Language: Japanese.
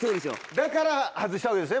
だから外したわけですね